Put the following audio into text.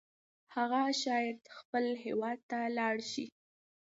هغه شاید خپل هیواد ته لاړ شي.